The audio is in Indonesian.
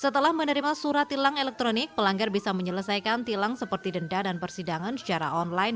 setelah menerima surat tilang elektronik pelanggar bisa menyelesaikan tilang seperti denda dan persidangan secara online